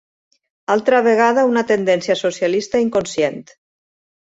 Altra vegada una tendència socialista inconscient!